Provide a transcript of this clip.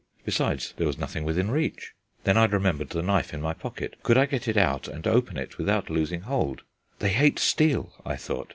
Besides, there was nothing within reach. Then I remembered the knife in my pocket. Could I get it out and open it without losing hold? "They hate steel," I thought.